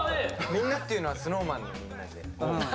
「みんな」っていうのはＳｎｏｗＭａｎのみんなで。